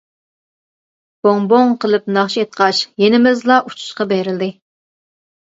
«بوڭ-بوڭ» قىلىپ ناخشا ئېيتقاچ، يېنىمىزدىلا ئۇچۇشقا بېرىلدى.